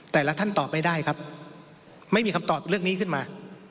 แต่ละท่านตอบไม่ได้ครับไม่มีคำตอบเรื่องนี้ขึ้นมา